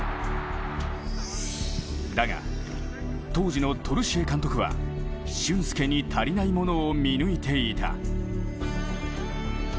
だが、当時のトルシエ監督は俊輔に足りないものを見抜いていた。